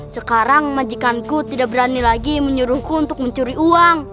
sekarang majikanku tidak berani lagi menyuruhku untuk mencuri uang